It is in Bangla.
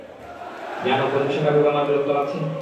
জানো, কোন বিষয়টা ভেবে আমার বিরক্ত লাগছে?